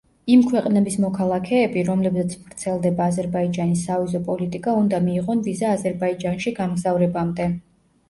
იმ ქვეყნების მოქალაქეები, რომლებზეც ვრცელდება აზერბაიჯანის სავიზო პოლიტიკა, უნდა მიიღონ ვიზა აზერბაიჯანში გამგზავრებამდე.